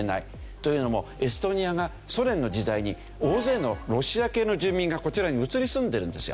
というのもエストニアがソ連の時代に大勢のロシア系の住民がこちらに移り住んでるんですよ。